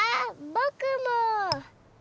ぼくも。